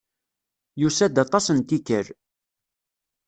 Yusa-d aṭas n tikkal.